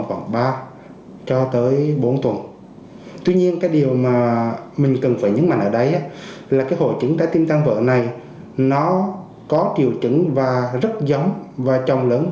với rất nhiều điều chứng và rất giống và trồng lớn